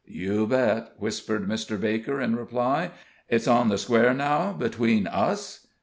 "You bet," whispered Mr. Baker, in reply. "It's on the square now, between us?"